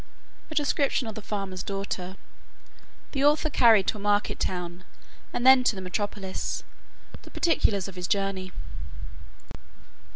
A description of the farmer's daughter. The author carried to a market town, and then to the metropolis. The particulars of his journey.